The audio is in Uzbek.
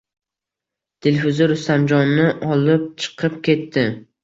Dilfuza Rustamjonni olib chiqib ketdi.